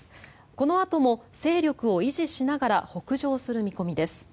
このあとも勢力を維持しながら北上する見込みです。